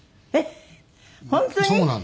えっ？